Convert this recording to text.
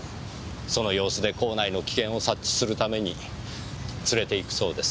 その様子で坑内の危険を察知するために連れていくそうです。